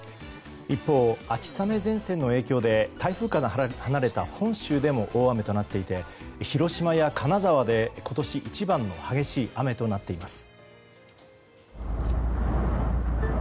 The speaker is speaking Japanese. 一方、秋雨前線の影響で台風から離れた本州でも大雨となっていて広島や金沢で今年一番の激しい雨となっています。